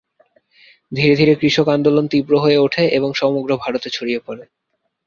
ধীরে ধীরে কৃষক আন্দোলন তীব্র হয়ে ওঠে এবং সমগ্র ভারতে ছড়িয়ে পড়ে।